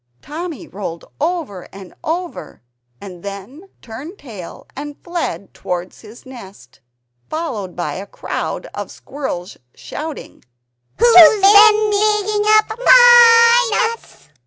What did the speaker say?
Timmy rolled over and over, and then turned tail and fled towards his nest, followed by a crowd of squirrels shouting "Who's been digging up MY nuts?"